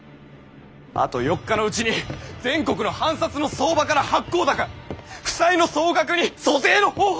あと４日のうちに全国の藩札の相場から発行高負債の総額に租税の方法